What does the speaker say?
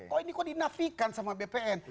kok ini kok dinafikan sama bpn